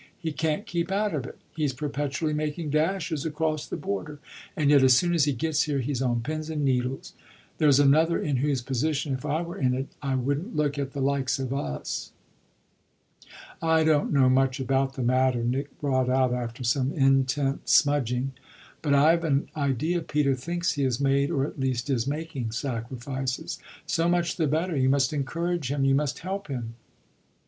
He can't keep out of it, he's perpetually making dashes across the border, and yet as soon as he gets here he's on pins and needles. There's another in whose position if I were in it I wouldn't look at the likes of us!" "I don't know much about the matter," Nick brought out after some intent smudging, "but I've an idea Peter thinks he has made or at least is making sacrifices." "So much the better you must encourage him, you must help him."